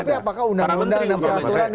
tapi apakah undang undang yang diatur itu bisa